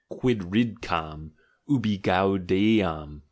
quid ridcam! Ubi gaudeam!